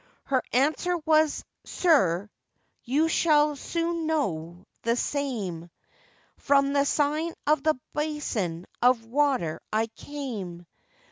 Her answer was, 'Sir, you shall soon know the same, From the sign of the basin of water I came.